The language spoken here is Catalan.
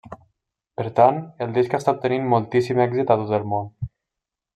Per tant, el disc està obtenint moltíssim èxit a tot el món.